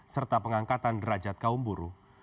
serta pengangkatan derajat kaum buruh